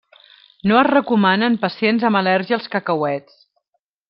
No es recomana en pacients amb al·lèrgia als cacauets.